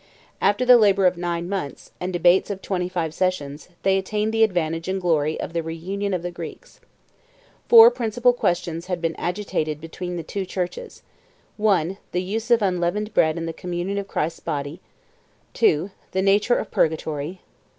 After the labor of nine months, and the debates of twenty five sessions, they attained the advantage and glory of the reunion of the Greeks. Four principal questions had been agitated between the two churches; 1. The use of unleavened bread in the communion of Christ's body. 2. The nature of purgatory.